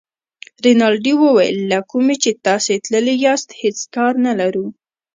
رینالډي وویل له کومه چې تاسي تللي یاست هېڅ کار نه لرو.